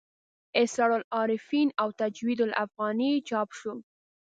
اسرار العارفین او تجوید الافغاني چاپ شو.